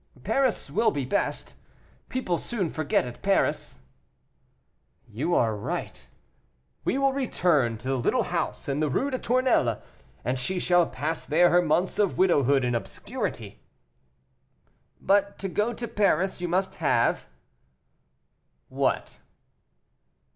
"Paris will be best; people soon forget at Paris." "You are right; we will return to the little house in the Rue des Tournelles, and she shall pass there her months of widowhood in obscurity." "But to go to Paris you must have " "What?"